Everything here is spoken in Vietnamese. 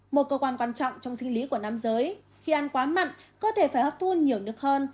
một cơ quan quan trọng trong sinh lý của nam giới khi ăn quá mặn cơ thể phải hấp thun nhiều nước hơn